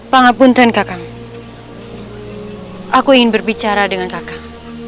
pengapunten kakak aku ingin berbicara dengan kakak